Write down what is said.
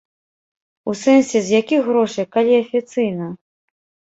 У сэнсе, з якіх грошай, калі афіцыйна?